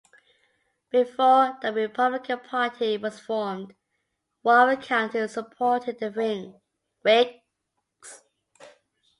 Before the Republican party was formed, Warren County supported the Whigs.